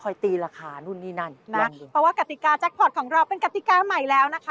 กฎิกาแจ็คพอร์ตของเราเป็นกฎิกาใหม่แล้วนะคะ